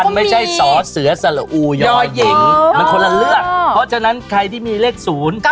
มันไม่ใช่สเสสอยยมันคนละเลือก